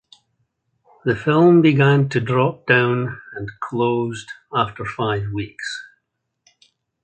The film began to drop down and closed after five weeks.